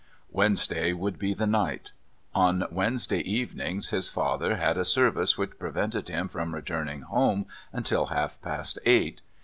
Wednesday would be the night. On Wednesday evenings his father had a service which prevented him from returning home until half past eight.